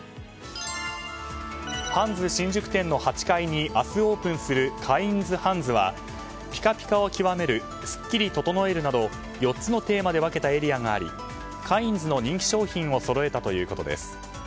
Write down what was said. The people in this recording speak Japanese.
ハンズ新宿店の８階に明日、オープンするカインズハンズはピカピカを極めるスッキリを整えるなど４つのテーマで分けたエリアがありカインズの人気商品をそろえたということです。